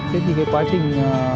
thế thì cái quá trình